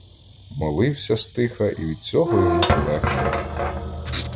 Молився стиха, і від цього йому полегшало.